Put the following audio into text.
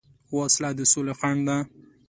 وسله د سولې خنډ ده